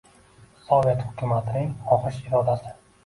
Sovet hukumatining xohish-irodasi!